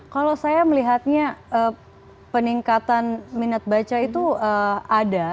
kalau saya melihatnya peningkatan minat baca itu ada